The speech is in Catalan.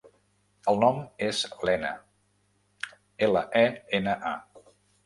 El nom és Lena: ela, e, ena, a.